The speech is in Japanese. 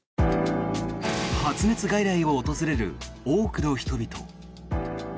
発熱外来を訪れる多くの人々。